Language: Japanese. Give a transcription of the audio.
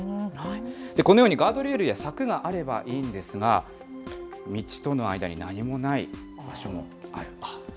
このようにガードレールや柵があればいいんですが、道との間に何もない場所もある。